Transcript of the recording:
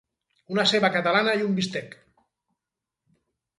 Una ceba catalana i un bistec.